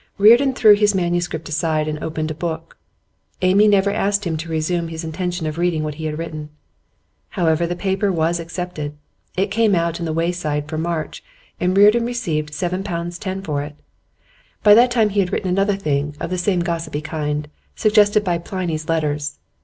Reardon threw his manuscript aside and opened a book. Amy never asked him to resume his intention of reading what he had written. However, the paper was accepted. It came out in The Wayside for March, and Reardon received seven pounds ten for it. By that time he had written another thing of the same gossipy kind, suggested by Pliny's Letters.